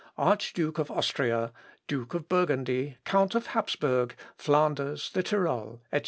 Arch Duke of Austria, Duke of Burgundy, Count of Hapsburg, Flanders, the Tyrol, etc.